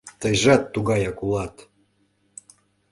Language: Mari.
Тыйжат тугаяк улат...